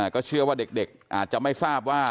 ก็เชื่อว่าเด็กอาจจะไม่ทราบว่า